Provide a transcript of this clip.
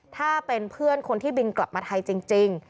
ถ้าเป็นเพื่อนคนที่บินกลับมาไทยจริง